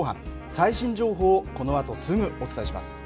最新情報をこのあとすぐお伝えします。